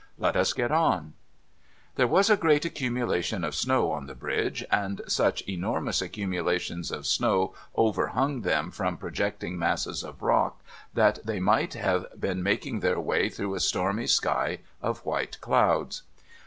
Let us get on !' There was a great accumulation of snow on the Bridge ; and such enormous accumulations of snow overhung them from pro jecting masses of rock, that they might have been making their way through a stormy sky of white clouds.